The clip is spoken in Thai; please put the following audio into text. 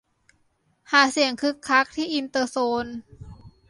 หาเสียงคึกคักที่อินเตอร์โซน